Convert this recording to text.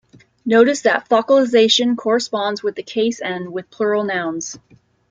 Notice that faucalization corresponds with the case and with plural nouns.